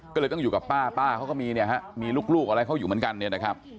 ก็เลยต้องอยู่กับป้าป้าเขาก็มีเนี่ยฮะมีลูกอะไรเขาอยู่เหมือนกันเนี่ยนะครับ